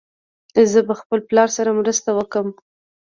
زه به خپل پلار سره مرسته وکړم.